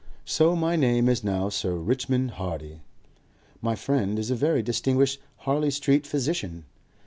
So my name is now Sir Richmond Hardy. My friend is a very distinguished Harley Street physician.